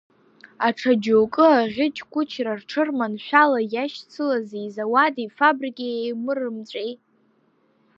Аҽа џьоукы аӷьыч-қәычра рҽырманшәала иашьцылази зауади-фабрикеи еимырымҵәеи.